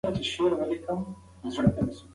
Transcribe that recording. د ماشومانو سمه روزنه وکړئ.